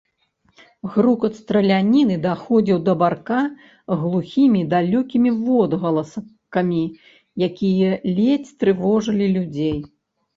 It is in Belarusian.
Грукат страляніны даходзіў да барка глухімі, далёкімі водгаласкамі, якія ледзь трывожылі людзей.